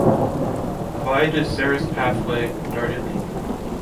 Val de Serres pathway, Dardilly